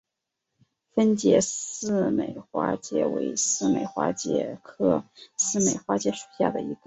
分解似美花介为似美花介科似美花介属下的一个种。